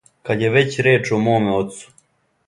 Кад је већ реч о моме оцу